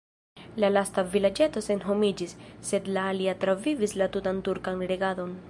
La lasta vilaĝeto senhomiĝis, sed la alia travivis la tutan turkan regadon.